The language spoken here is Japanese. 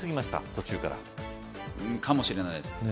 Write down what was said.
途中からかもしれないですね